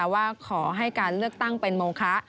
ว่าขอให้การเลือกตั้งเป็นโมคะ